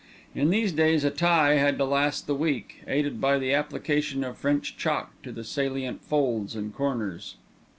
In these days a tie had to last the week, aided by the application of French chalk to the salient folds and corners.